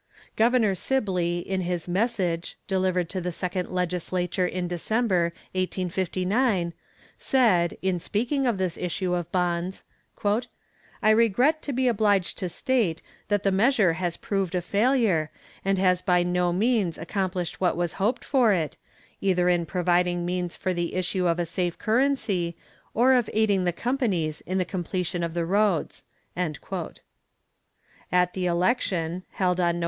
Governor Sibley, in his message, delivered to the second legislature in December, 1859, said, in speaking of this issue of bonds: "I regret to be obliged to state that the measure has proved a failure, and has by no means accomplished what was hoped for it, either in providing means for the issue of a safe currency, or of aiding the companies in the completion of the roads." At the election, held on Nov.